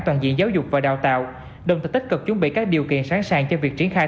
toàn diện giáo dục và đào tạo đồng thời tích cực chuẩn bị các điều kiện sẵn sàng cho việc triển khai